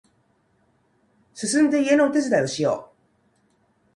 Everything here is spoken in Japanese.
すすんで家のお手伝いをしよう